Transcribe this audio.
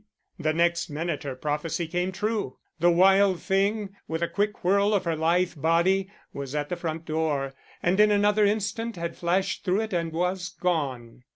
The next minute her prophecy came true; the wild thing, with a quick whirl of her lithe body, was at the front door, and in another instant had flashed through it and was gone.